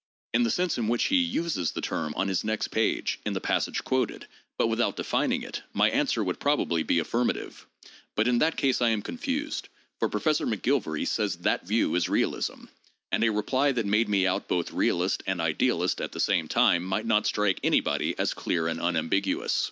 In the sense in which he uses the term on his next page (in the passages quoted) but without defining it, my answer would probably be affirmative. But in that case I am confused, for Professor McGilvary says that view is realism. And a reply that made me out both realist and idealist at the same time might not strike anybody as "clear and unambiguous."